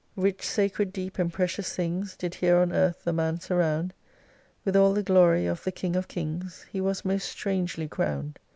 7 Rich, sacred, deep and precious things Did here on earth the man surround : With all the Glory of the King of Kings He was most strangely crowned.